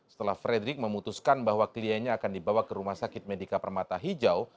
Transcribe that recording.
setelah frederick memutuskan bahwa kliennya akan dibawa ke rumah sakit medika permata hijau